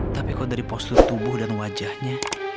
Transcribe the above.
tapi kok dari postur tubuh dan wajahnya